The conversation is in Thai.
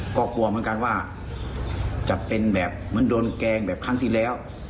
ก็กลัวเหมือนกันว่าจะเป็นแบบเหมือนโดนแกล้งแบบครั้งที่แล้ว